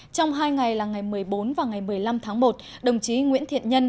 trong hai ngày là ngày một mươi bốn và ngày một mươi năm tháng một đồng chí nguyễn thiện nhân